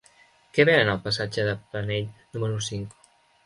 Què venen al passatge de Planell número cinc?